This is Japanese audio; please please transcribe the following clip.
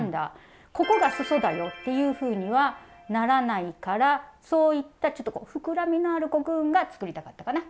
ここがすそだよっていうふうにはならないからそういったちょっと膨らみのあるコクーンが作りたかったかな。